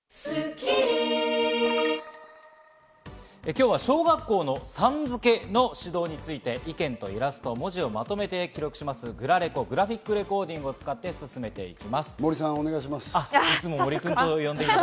今日は小学校のさん付けの指導について意見とイラストを文字をまとめて記録します、グラレコ、グラフィックレコーデ森さん、よろしくお願いしま